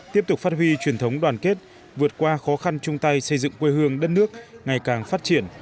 tiếp tục phát huy truyền thống đoàn kết vượt qua khó khăn chung tay xây dựng quê hương đất nước ngày càng phát triển